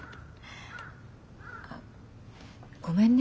あごめんね。